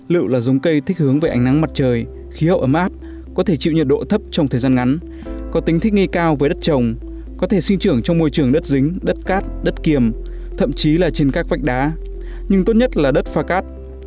liệu là giống cây thích hướng về ánh nắng mặt trời khí hậu ấm áp có thể chịu nhiệt độ thấp trong thời gian ngắn có tính thích nghi cao với đất trồng có thể sinh trưởng trong môi trường đất dính đất cát đất kiềm thậm chí là trên các vách đá nhưng tốt nhất là đất pha cát